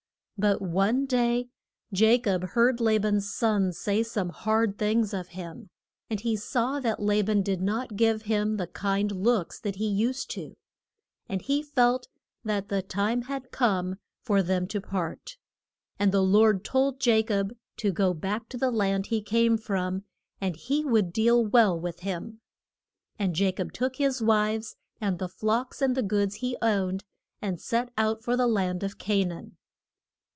But one day Ja cob heard La ban's sons say some hard things of him, and he saw that La ban did not give him the kind looks that he used to. And he felt that the time had come for them to part. And the Lord told Ja cob to go back to the land he came from, and he would deal well with him. And Ja cob took his wives, and the flocks and the goods he owned, and set out for the land of Ca naan.